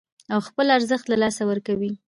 او خپل ارزښت له لاسه ورکوي